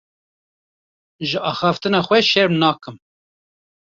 Ji axiftina xwe şerm nakim.